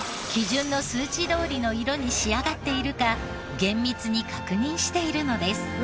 基準の数値どおりの色に仕上がっているか厳密に確認しているのです。